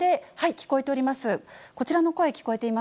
聞こえております。